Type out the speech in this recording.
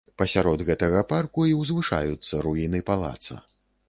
Пасярод гэтага парку і узвышаюцца руіны палаца.